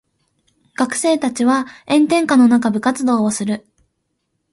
学生たちは炎天下の中部活動をする。